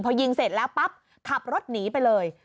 พอยิงเสร็จแล้วปั๊บขับรถหนีไปเลย